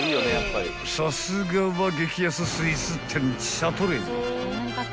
［さすがは激安スイーツ店シャトレーゼ］